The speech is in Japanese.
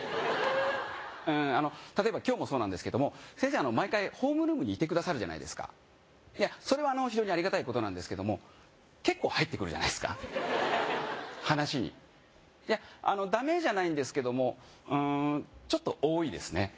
あの毎回ホームルームにいてくださるじゃないですかいやそれはあの非常にありがたいことなんですけども結構入ってくるじゃないですか話にいやあのダメじゃないんですけどもうんちょっと多いですね